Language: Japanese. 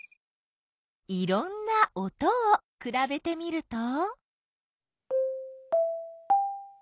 いろんな音をくらべてみると？